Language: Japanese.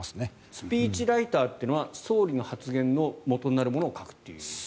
スピーチライターというのは総理の発言のもとになるものを書く人。